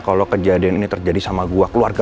kalau kejadian ini terjadi sama gua keluarga gua